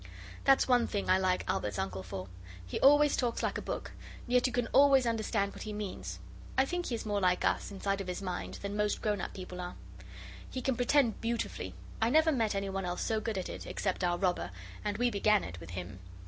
That's one thing I like Albert's uncle for. He always talks like a book, and yet you can always understand what he means. I think he is more like us, inside of his mind, than most grown up people are. He can pretend beautifully. I never met anyone else so good at it, except our robber, and we began it, with him.